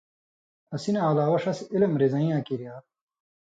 اسی نہ علاوہ ݜس علم رزَئین٘یاں کریا